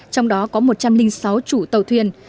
trong đó có một trăm linh sáu chủ tàu thuyền